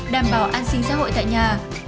đảm bảo an sinh xã hội tại nhà